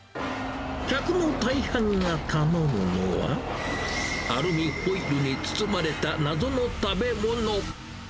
客の大半が頼むのは、アルミホイルに包まれた謎の食べ物。